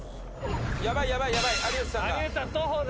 やばいやばい有吉さんが。